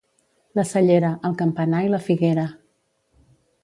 La Cellera, el campanar i la figuera.